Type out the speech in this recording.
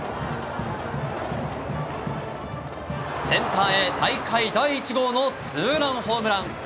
センターへ、大会第１号のツーランホームラン。